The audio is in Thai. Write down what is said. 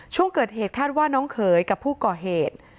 ช่วงเกิดเหตุคาดว่าน้องเขยกับผู้ก่อเหตุ